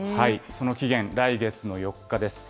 その期限、来月の４日です。